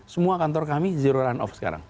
semua kantor kami zero run off sekarang